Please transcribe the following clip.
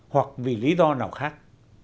hoặc vì lý do nào khác